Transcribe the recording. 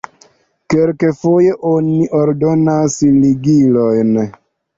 Kelkfoje oni aldonas ligilojn.